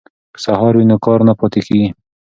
که سهار وي نو کار نه پاتې کیږي.